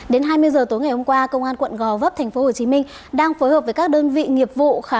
đến hai mươi h tối ngày hôm qua công an quận gò vấp tp hcm đang phối hợp với các đơn vị nghiệp vụ